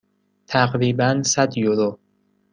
تقریبا صد یورو.